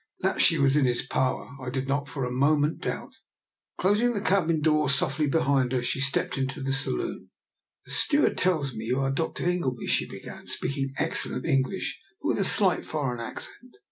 That she was in his power I did not for a moment doubt. Closing the cabin door softly behind her, she stepped into the saloon. " The steward tells me you are Dr. In 84 I>R NIKOLA'S EXPERIMENT. gleby," she began, speaking excellent English, but with a slight foreign accent.